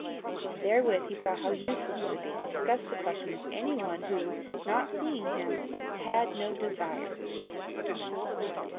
And therewith he saw how useless it would be to discuss the question with any one who, not seeing him, had no desire to see him.